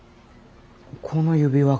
この指輪が？